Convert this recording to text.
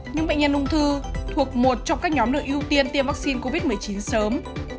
những bệnh nhân ung thư thuộc một trong các nhóm nợ ưu tiên tiêm vắc xin covid một mươi chín sớm